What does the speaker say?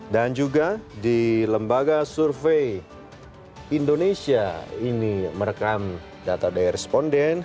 dan juga di lembaga survei indonesia ini merekam data daya responden